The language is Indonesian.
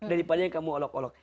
daripada yang kamu olok olok